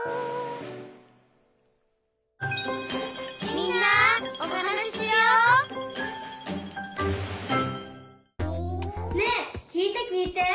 「みんなおはなししよう」ねえきいてきいて。